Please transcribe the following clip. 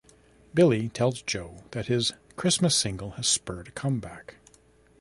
Billy tells Joe that his Christmas single has spurred a comeback.